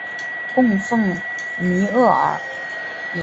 供奉弥额尔。